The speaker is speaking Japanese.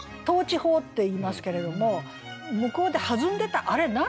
倒置法っていいますけれども「向こうで弾んでた」あれ？